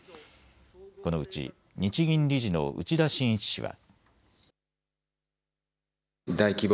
このうち日銀理事の内田眞一氏は。